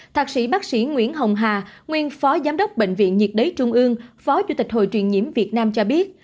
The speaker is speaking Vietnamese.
thạc sĩ bác sĩ nguyễn hồng hà nguyên phó giám đốc bệnh viện nhiệt đới trung ương phó chủ tịch hội truyền nhiễm việt nam cho biết